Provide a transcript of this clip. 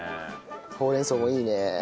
ほうれん草もいいね。